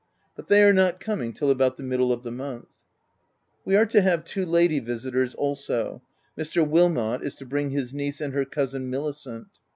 But they are not coming till about the middle of the month. 320 THE TENANT We are to have two lady visitors also : Mr. Wilmot is to bring his niece and her cousin Milicent.